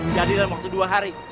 jadilah waktu dua hari